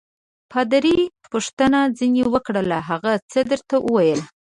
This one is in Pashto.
پادري پوښتنه ځینې وکړه: هغه څه درته ویل؟